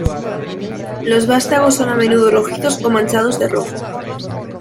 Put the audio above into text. Los vástagos son a menudo rojizos o manchados de rojo.